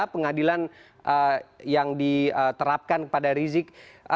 pengadilan yang diterapkan kepada rizik